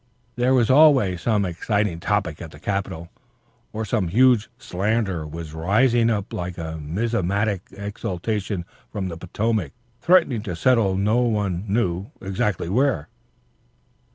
There was always some exciting topic at the Capitol, or some huge slander was rising up like a miasmatic exhalation from the Potomac, threatening to settle no one knew exactly where.